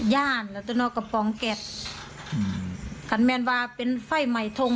ย่านแล้วต้องหน่อยปลองแก๊สการแบบว่าเป็นไฟแบบไม่ทง